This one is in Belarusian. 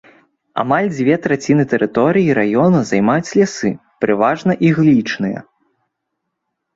Амаль дзве траціны тэрыторыі раёна займаюць лясы, пераважна іглічныя.